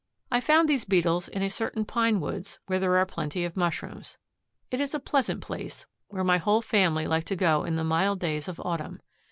I found these Beetles in a certain pine woods where there are plenty of mushrooms. It is a pleasant place, where my whole family like to go in the mild days of autumn.